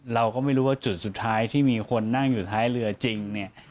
เราก็ไม่รู้ว่าจุดสุดท้ายที่มีคนนั่งอยู่ท้ายเรือจริงเนี่ย